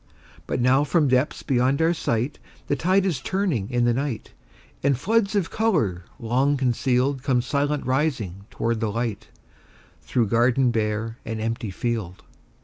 But now from depths beyond our sight, The tide is turning in the night, And floods of color long concealed Come silent rising toward the light, Through garden bare and empty field.